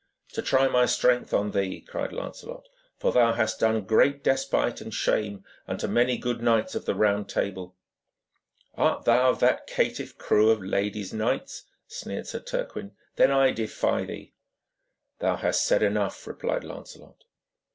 'To try my strength on thee,' cried Lancelot, 'for thou hast done great despite and shame unto many good knights of the Round Table.' 'Art thou of that caitiff crew of ladies' knights?' sneered Sir Turquine. 'Then I defy thee.' 'Thou hast said enough,' replied Lancelot.